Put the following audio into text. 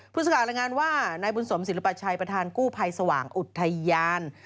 สกัดรายงานว่านายบุญสมศิลปชัยประธานกู้ภัยสว่างอุทยาน